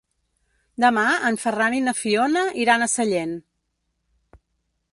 Demà en Ferran i na Fiona iran a Sellent.